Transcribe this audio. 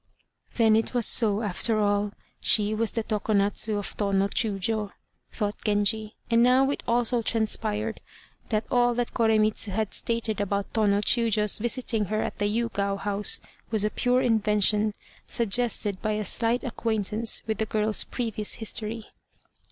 "Then it was so, after all. She was the Tokonatz of Tô no Chiûjiô," thought Genji; and now it also transpired that all that Koremitz had stated about Tô no Chiûjiô's visiting her at the Yûgao house was a pure invention, suggested by a slight acquaintance with the girl's previous history.